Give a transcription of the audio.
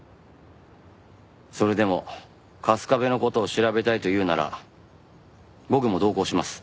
それでも春日部の事を調べたいというなら僕も同行します。